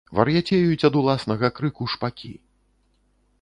Вар'яцеюць ад уласнага крыку шпакі.